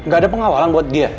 gak ada pengawalan buat dia